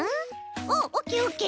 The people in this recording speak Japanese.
おおオッケーオッケー！